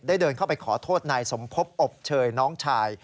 เดินเข้าไปขอโทษนายสมพบอบเชยน้องชาย